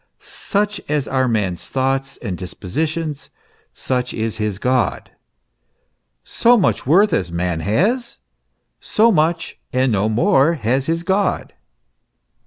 Such as are a man's thoughts and disposi tions, such is his God; so much worth as a man has, so much and no more has his God.